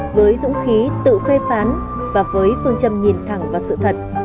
với dũng khí tự phê phán và với phương châm nhìn thẳng vào sự thật